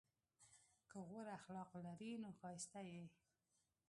که غوره اخلاق لرې نو ښایسته یې!